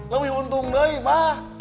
lu untung lagi mah